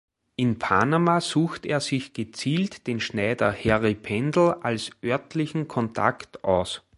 In Panama sucht er sich gezielt den Schneider Harry Pendel als örtlichen Kontakt aus.